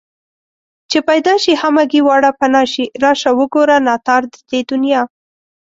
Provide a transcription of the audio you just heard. چې پيدا شي همگي واړه پنا شي راشه وگوره ناتار د دې دنيا